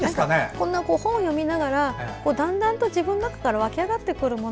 本を読みながらだんだんと自分の中から湧き上がってくるもの